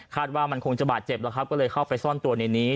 ว่ามันคงจะบาดเจ็บแล้วครับก็เลยเข้าไปซ่อนตัวในนี้